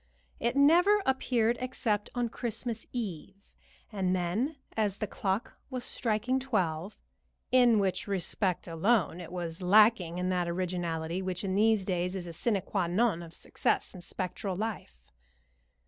It never appeared except on Christmas Eve, and then as the clock was striking twelve, in which respect alone was it lacking in that originality which in these days is a sine qua non of success in spectral life.